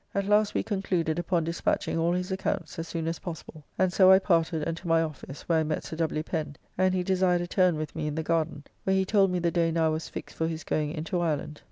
At last we concluded upon dispatching all his accounts as soon as possible, and so I parted, and to my office, where I met Sir W. Pen, and he desired a turn with me in the garden, where he told me the day now was fixed for his going into Ireland; [Penn was Governor of Kinsale. B.